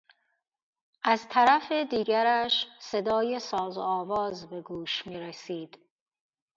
از طرف دیگرش صدای ساز و آواز به گوش می رسید.